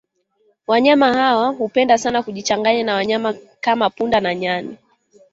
Wanyama hawa hupenda sana kujichanganya na wanyama kama pundamlia na nyani